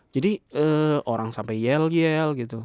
jadi orang sampai yell yell gitu